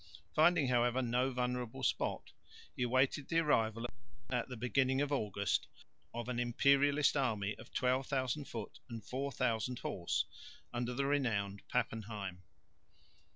Finding however no vulnerable spot, he awaited the arrival at the beginning of August of an Imperialist army of 12,000 foot and 4000 horse, under the renowned Pappenheim.